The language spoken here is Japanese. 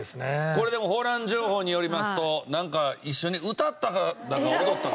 これでもホラン情報によりますとなんか一緒に歌ったかだか踊ったか？